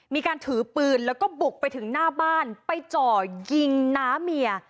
มีการถือปืนแล้วก็บุกไปถึงหน้าบ้านไปจ่อยิงน้าเมีย